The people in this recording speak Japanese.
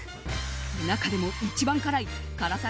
中でも一番辛い辛さ